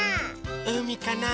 うみかな？